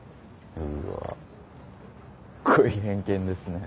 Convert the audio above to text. うわすっごい偏見ですね。